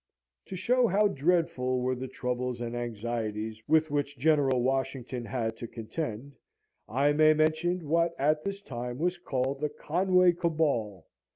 To show how dreadful were the troubles and anxieties with which General Washington had to contend, I may mention what at this time was called the "Conway Cabal."